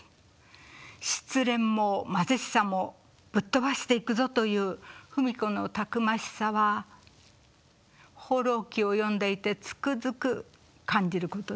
失恋も貧しさもぶっ飛ばしていくぞという芙美子のたくましさは「放浪記」を読んでいてつくづく感じることです。